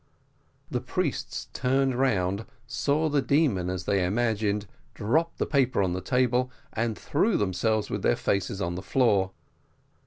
The priests turned round, saw the demon, as they imagined dropped the paper on the table, and threw themselves with their faces on the floor.